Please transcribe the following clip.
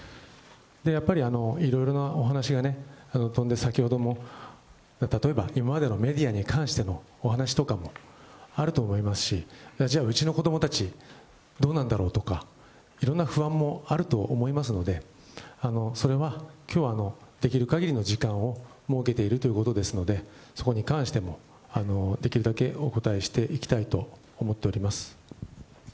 やっぱりいろいろなお話がね、飛んで、先ほども例えば今までのメディアに関してのお話とかもあると思いますし、じゃあ、うちの子どもたち、どうなんだろうとか、いろんな不安もあると思いますので、それはきょうはできるかぎりの時間を設けているということですので、そこに関しても、できるだけお答えしていきたいと思っております。